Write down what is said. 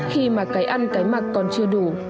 khi mà cái ăn cái mặc còn chưa đủ